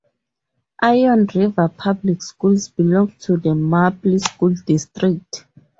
Iron River Public Schools belong to the Maple School District.